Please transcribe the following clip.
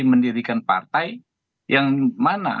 mendirikan partai yang mana